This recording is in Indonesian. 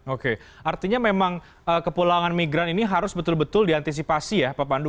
oke artinya memang kepulangan migran ini harus betul betul diantisipasi ya pak pandu